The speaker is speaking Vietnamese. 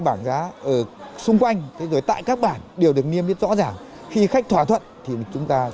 bảng giá ở xung quanh rồi tại các bảng đều được niêm biết rõ ràng khi khách thỏa thuận thì chúng ta